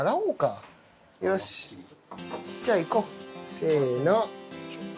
よしじゃあ行こうせの。